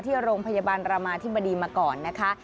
ที่โรงพยาบาลรามาธิบดีมาก่อนนะคะ